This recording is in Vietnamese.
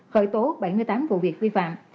khởi tố bảy mươi tám vụ việc vi phạm